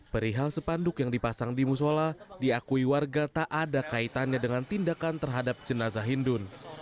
perihal sepanduk yang dipasang di musola diakui warga tak ada kaitannya dengan tindakan terhadap jenazah hindun